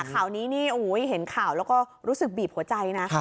ข่าวนี้นี่เห็นข่าวแล้วก็รู้สึกบีบหัวใจนะ